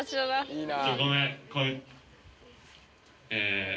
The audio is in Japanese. いいな！